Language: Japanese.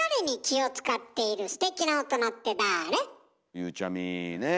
ゆうちゃみねえ？